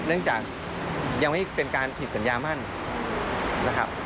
เนื่องจากยังไม่เป็นการผิดสัญญามั่นนะครับ